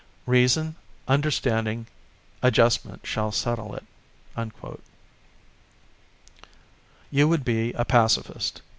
Reason, understanding, adjustment shall settle it." You would be a Pacifist.